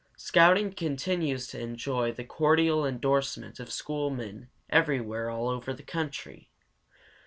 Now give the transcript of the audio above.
Scouting continues to enjoy the cordial indorsement of school men everywhere all over the country.